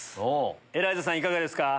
エライザさんいかがですか？